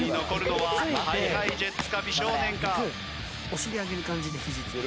お尻上げる感じで肘つく。